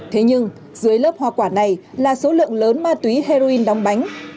thế nhưng dưới lớp hoa quả này là số lượng lớn ma túy heroin đóng bánh